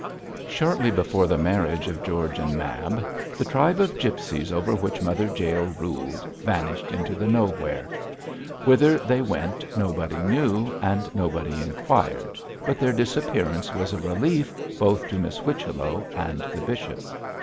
Shortly before the marriage of George and Mab, the tribe of gipsies over which Mother Jael ruled vanished into the nowhere. Whither they went nobody knew, and nobody inquired, but their disappearance was a relief both to Miss Whichello and the bishop.